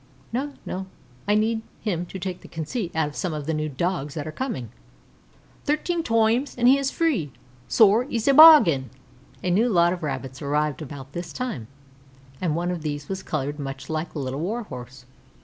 "No, no; I need him to take the conceit out of some of the new Dogs that are coming." "Thirteen toimes and he is free, sor; it's a bargain." A new lot of Rabbits arrived about this time, and one of these was colored much like Little Warhorse.